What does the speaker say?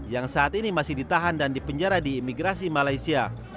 yang saat ini masih ditahan dan dipenjara di imigrasi malaysia